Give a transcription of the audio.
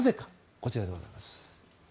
こちらでございます。